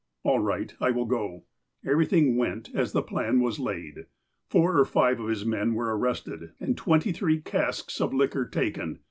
"All right, I will go." Everything went as the plan was laid. Four or five of his men were arrested, and twenty three casks of liquor taken.